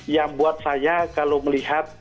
yang buat saya kalau melihat